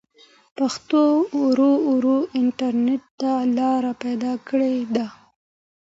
پښتو ورو ورو انټرنټ ته لاره پيدا کړې ده.